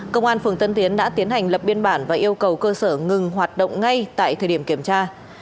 công an phường tân tiến đã tiến hành lập biên bản và yêu cầu cơ sở ngừng hoạt động ngay tại thời điểm kiểm tra